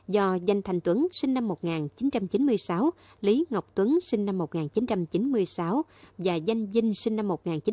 do danh thành tuấn sinh năm một nghìn chín trăm chín mươi sáu lý ngọc tuấn sinh năm một nghìn chín trăm chín mươi sáu và danh dinh sinh năm một nghìn chín trăm chín mươi